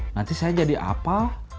nanti saya jadi apa